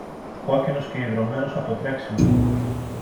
κόκκινος και ιδρωμένος από το τρέξιμο.